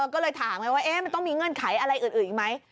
ก็เลยถามไงว่ามันต้องมีเงื่อนไขอะไรอื่นอีกไหม